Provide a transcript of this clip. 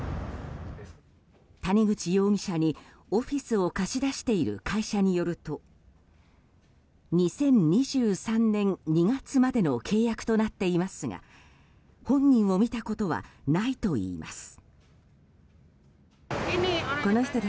谷口容疑者にオフィスを貸し出している会社によると２０２３年２月までの契約となっていますが本人を見たことはないといいます。